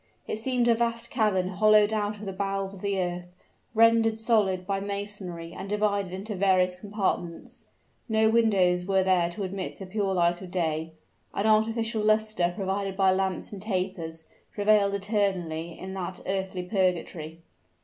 It seemed a vast cavern hollowed out of the bowels of the earth, rendered solid by masonry and divided into various compartments. No windows were there to admit the pure light of day; an artificial luster, provided by lamps and tapers, prevailed eternally in that earthly purgatory.